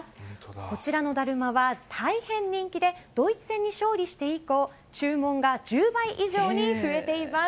こちらのダルマは大変人気でドイツ戦に勝利して以降注文が１０倍以上に増えています。